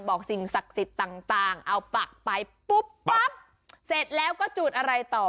บอกสิ่งศักดิ์ศิลป์ต่างเอาปากไปปุ๊บแล้วก็จุดอะไรต่อ